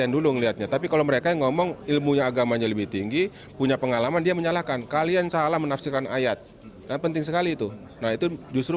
bapak komjen paul soehardi alius